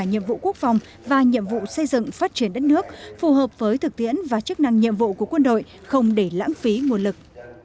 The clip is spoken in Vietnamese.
nước phù hợp với thực tiễn và chức năng nhiệm vụ của quân đội không để lãng phí nguồn lực